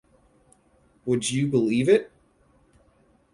Would you believe it?